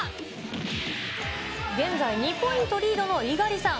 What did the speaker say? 現在２ポイントリードの猪狩さん。